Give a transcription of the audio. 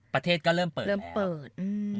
ประเทศก็เริ่มเปิดเนี่ย